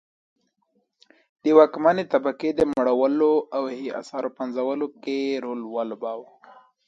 د واکمنې طبقې د مړولو او هي اثارو پنځولو کې رول ولوباوه.